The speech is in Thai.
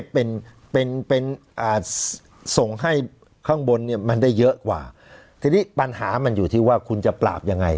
เป็นเป็นส่งให้ข้างบนเนี่ยมันได้เยอะกว่าทีนี้ปัญหามันอยู่ที่ว่าคุณจะปราบยังไง